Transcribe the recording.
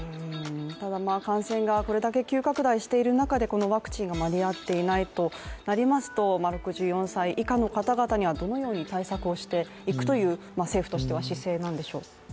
ただ感染がこれだけ急拡大している中でこのワクチンが間に合っていないとなりますと６４歳以下の方々にはどのように対策をしていくという政府としては姿勢なんでしょう。